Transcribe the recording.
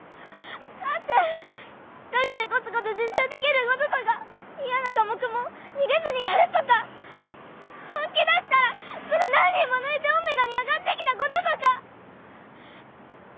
だって一人でコツコツ自習できることとか嫌な科目も逃げずにやるとか本気出したらすぐ何人も抜いてΩに上がって来たこととか。